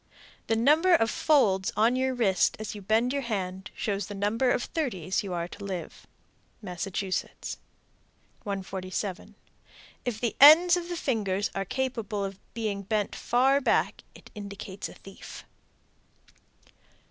The number of folds on your wrist as you bend your hand shows the number of thirties you are to live. Massachusetts. 147. If the ends of the fingers are capable of being bent far back, it indicates a thief.